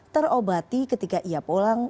terobati ketika ia pulang